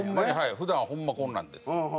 普段はホンマこんなんです。